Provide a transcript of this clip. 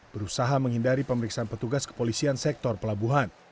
berusaha menghindari pemeriksaan petugas kepolisian sektor pelabuhan